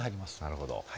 なるほど。